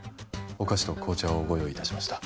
お菓子と紅茶をご用意いたしました